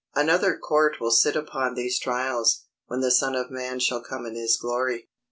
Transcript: Another court will sit upon these trials, when the Son of Man shall come in his glory.